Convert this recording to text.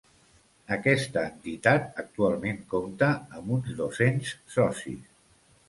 Aquesta entitat actualment compta amb uns dos-cents socis.